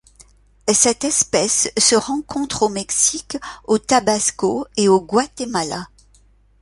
Cette espèce se rencontre au Mexique au Tabasco et au Guatemala.